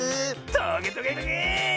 トゲトゲトゲ！